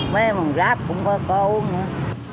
mấy em gặp cũng có uống nữa